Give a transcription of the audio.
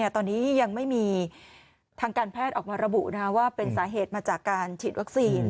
ตอนนี้ยังไม่มีทางการแพทย์ออกมาระบุว่าเป็นสาเหตุมาจากการฉีดวัคซีน